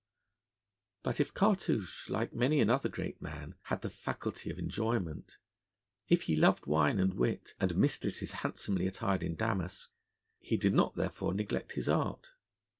But if Cartouche, like many another great man, had the faculty of enjoyment, if he loved wine and wit, and mistresses handsomely attired in damask, he did not therefore neglect his art.